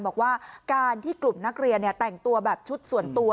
บอกว่าการที่กลุ่มนักเรียนแต่งตัวแบบชุดส่วนตัว